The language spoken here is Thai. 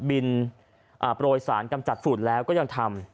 บินอ่าปล่อยสารกำจัดฝุ่นแล้วก็ยังทำ